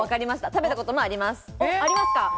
食べたこともあります。